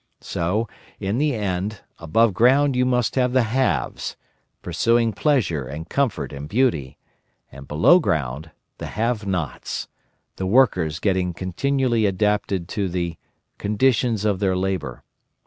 So, in the end, above ground you must have the Haves, pursuing pleasure and comfort and beauty, and below ground the Have nots, the Workers getting continually adapted to the conditions of their labour.